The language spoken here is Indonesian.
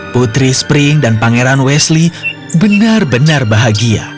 putri spring dan pangeran wesley benar benar bahagia